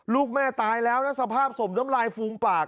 ลูกแม่ตายแล้วนะสภาพสมน้ำลายฟูมปาก